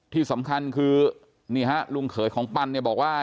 ที่สำคัญคือนี่ฮะลุงเขยของปันเนี่ยบอกว่า